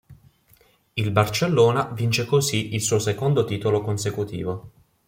Il Barcellona vince così il suo secondo titolo consecutivo.